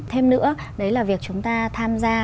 thêm nữa đấy là việc chúng ta tham gia